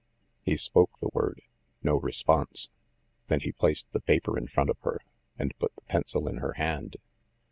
He spoke the word; no response. .Then he placed the paper in front of her, and put the pencil in her hand.